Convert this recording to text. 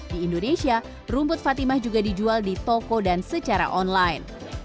di indonesia rumput fatimah juga dijual di toko dan secara online